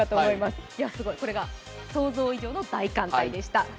これが想像以上の大艦隊でした。